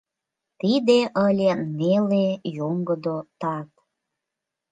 Тиде ыле неле йоҥгыдо тат.